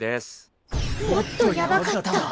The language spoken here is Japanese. もっとやばかった